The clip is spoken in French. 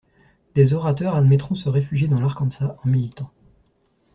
Des orateurs admettront se réfugier dans l'Arkansas en militant.